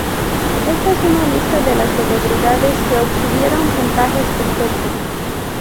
Esta es una lista de las celebridades que obtuvieron puntajes perfectos.